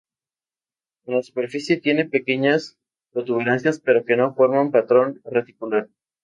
En la superficie tiene pequeñas protuberancias, pero que no forman patrón reticular.